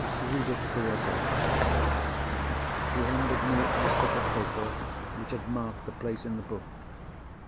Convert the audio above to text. Read it for yourself." He handed me the slip of paper which had marked the place in the book.